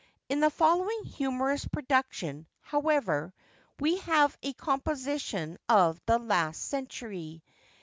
In the following humorous production, however, we have a composition of the last century.